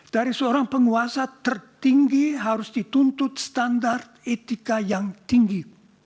dari seorang penguasa tertinggi harus dituntut standar etika yang tinggi